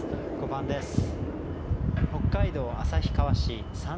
５番です。